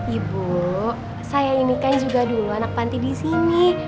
ibu saya ini kan juga dulu anak panti disini